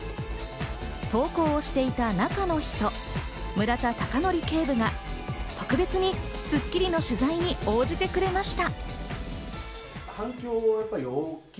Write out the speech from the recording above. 投稿をしていた中の人、村田尚徳警部が特別に『スッキリ』の取材に応じてくれました。